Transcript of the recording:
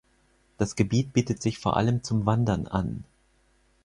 Das Gebiet bietet sich vor allem zum Wandern an.